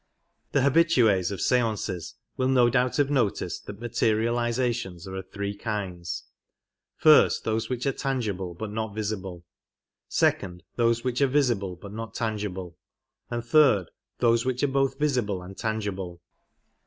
The habituks of stances will no doubt have noticed that materializations are of three kinds :— First, those which are tangible but not visible ; second, those which are visible but not tangible ; and third, those which are both visible and tangible.